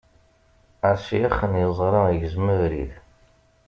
Asyax n yeẓṛa igzem abrid.